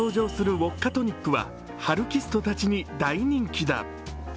ウオッカトニックはハルキストたちに大人気だ。